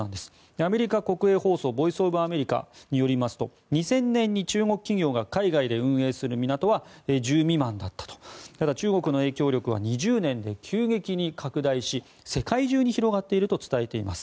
アメリカ国営放送のボイス・オブ・アメリカによりますと２０００年に中国企業が海外で運営する港は１０未満だったただ、中国の影響力は２０年で急激に拡大し世界中に広がっていると伝えています。